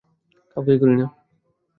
কাউকেই করি না!